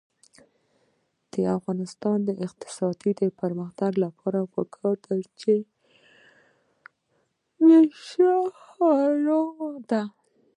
د افغانستان د اقتصادي پرمختګ لپاره پکار ده چې نشه حرامه ده.